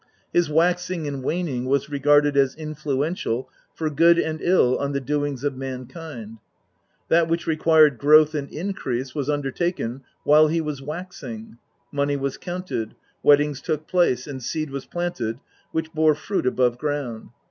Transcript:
His waxing and waning was regarded as influential for good and ill on the doings of mankind. That which required growth and increase was undertaken while he was waxing ; money was counted, weddings took place, and seed was planted which bore fruit above ground.